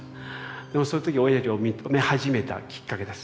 でもその時おやじを認め始めたきっかけです。